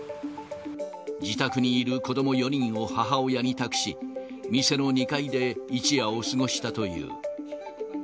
自宅にいる子ども４人を母親に託し、店の２階で一夜を過ごしたという。